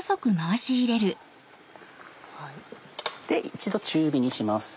一度中火にします。